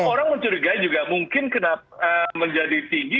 orang mencurigai juga mungkin menjadi tinggi